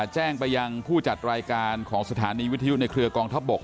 แจ้งไปยังผู้จัดรายการของสถานีวิทยุในเครือกองทัพบก